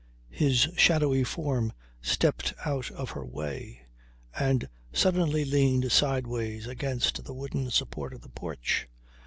His shadowy form stepped out of her way, and suddenly leaned sideways against the wooden support of the porch.